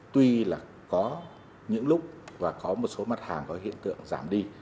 tuy là có những lúc và có một số mặt hàng có hiện tượng giảm đi